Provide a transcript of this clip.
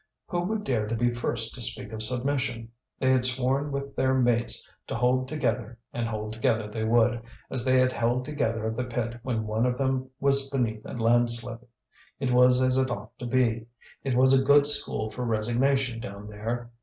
Who would dare to be first to speak of submission? They had sworn with their mates to hold together, and hold together they would, as they held together at the pit when one of them was beneath a landslip. It was as it ought to be; it was a good school for resignation down there.